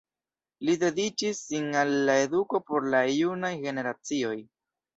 Li dediĉis sin al la eduko por la junaj generacioj.